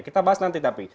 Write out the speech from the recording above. kita bahas nanti tapi